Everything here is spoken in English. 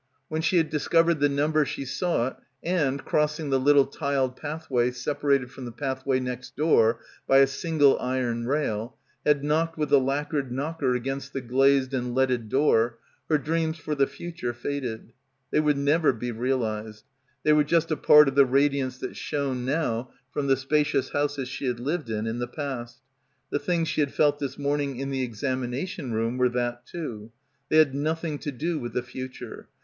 When she had discovered the num ber she sought and, crossing the little tiled path way separated from the pathway next door by a single iron rail, had knocked with the lacquered knocker against the glazed and leaded door, her dreams for the future faded. They would never be realised. They were just a part of the radi ance that shone now from the spacious houses she had lived in in the past. The things she had felt this morning in the examination room were that, too. They had nothing to do with the future.